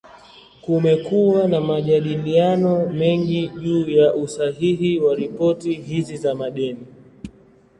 Kumekuwa na majadiliano mengi juu ya usahihi wa ripoti hizi za madeni.